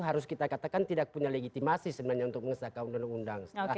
harus kita katakan tidak punya legitimasi sebenarnya untuk mengesahkan undang undang